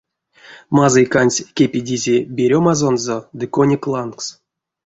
Мазыйканть кепедизе беремазонзо ды коник лангс.